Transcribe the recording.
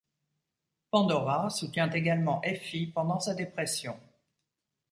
Pandora soutient également Effy pendant sa dépression.